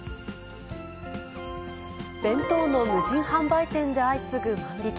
弁当の無人販売店で相次ぐ万引き。